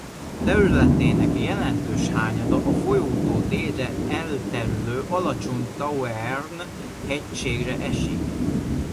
Területének jelentős hányada a folyótól délre elterülő Alacsony-Tauern hegységre esik.